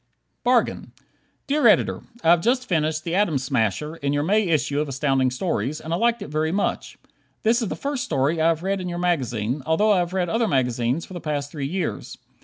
"Bargain" Dear Editor: I have just finished "The Atom Smasher," in your May issue of Astounding Stories, and liked it very much. This is the first story that I have read in your magazine, although I have read other magazines for the past three years.